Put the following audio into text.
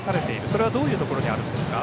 それは、どういうところにあるんですか？